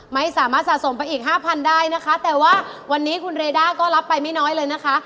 ไม่สามารถสะสมไปอีกห้าพันได้นะคะแต่ว่าวันนี้คุณเรด้าก็รับไปไม่น้อยเลยนะคะ